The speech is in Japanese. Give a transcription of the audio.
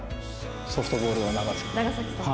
ソフトボールの長さん。